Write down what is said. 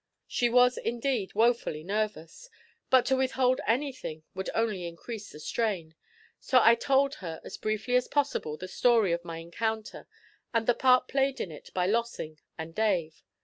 She was indeed woefully nervous, but to withhold anything would only increase the strain; so I told her as briefly as possible the story of my encounter, and the part played in it by Lossing and Dave.